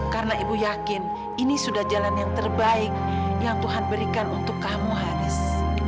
karena ibu yakin ini sudah jalan yang terbaik yang tuhan berikan untuk kamu haris